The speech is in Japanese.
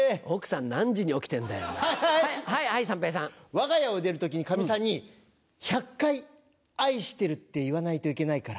わが家を出る時にかみさんに１００回「愛してる」って言わないといけないから。